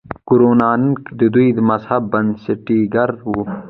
ګورو نانک د دې مذهب بنسټګر و.